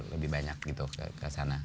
lebih banyak ke sana